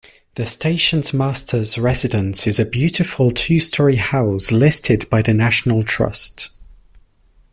The station master's residence is a beautiful two-story house listed by the National Trust.